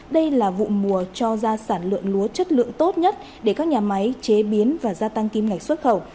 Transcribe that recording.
đây là vụ mùa cho ra sản lượng lúa chất lượng tốt nhất để các nhà máy chế biến và gia tăng kim ngạch xuất khẩu